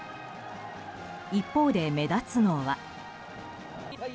一方で、目立つのは。